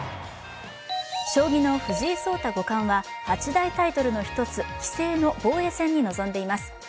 将棋の藤井聡太五冠は８大タイトルの一つ棋聖の防衛戦に臨んでいます。